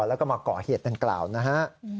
แล้วก็มาก่อเหตุดังกล่าวนะฮะ